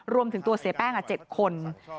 รวมถึงตัวเสียแป้ง๗คน